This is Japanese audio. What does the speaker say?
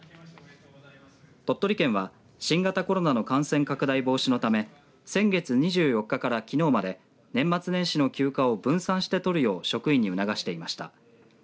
鳥取県は新型コロナの感染拡大防止のため先月２４日からきのうまで年末年始の休暇を分散して取るよう職員に促していました。